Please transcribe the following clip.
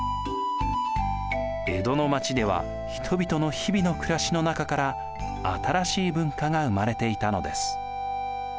江戸の町では人々の日々の暮らしの中から新しい文化が生まれていたのです。